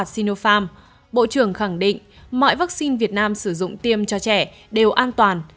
shinopharm bộ trưởng khẳng định mọi vaccine việt nam sử dụng tiêm cho trẻ đều an toàn